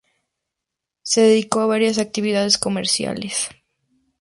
Se dedicó a varias actividades comerciales.